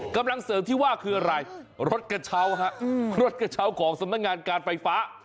กำลังเสริมที่ว่าคืออะไรรถกระเช้าฮะรถกระเช้าของสำนักงานการไฟฟ้า